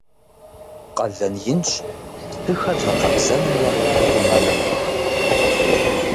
Къалэн инщ псыхэр гъэкъэбзэнымрэ хъумэнымрэ.